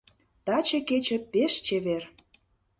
Таче кече пеш чевер: